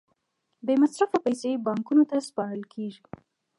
بې مصرفه پیسې بانکونو ته سپارل کېږي